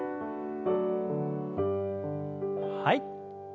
はい。